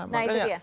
nah itu dia